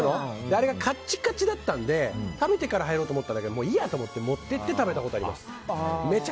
あれがカッチカチだったので食べてから入ろうと思ったけどもういいやと思って持って行って食べたことあります。